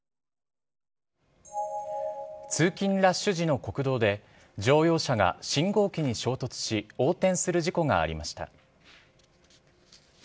通勤ラッシュ時の国道で、乗用車が信号機に衝突し、横転する事故がありました。